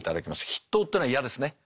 筆頭っていうのは嫌ですね。